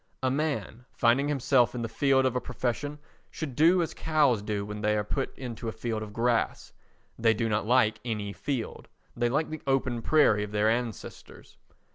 A man, finding himself in the field of a profession, should do as cows do when they are put into a field of grass. They do not like any field; they like the open prairie of their ancestors.